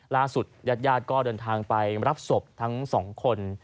ล่าสุดญาติยาดก็เดินทางไปรับศพทั้งสองคน